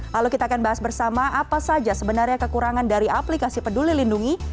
lalu kita akan bahas bersama apa saja sebenarnya kekurangan dari aplikasi peduli lindungi